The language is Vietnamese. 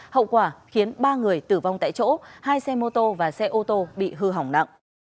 hậu quả khiến ba người tử vong tại chỗ hai xe mô tô và xe ô tô bị hư hỏng nặng